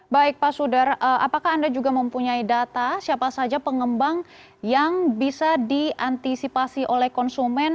baik pak sudar apakah anda juga mempunyai data siapa saja pengembang yang bisa diantisipasi oleh konsumen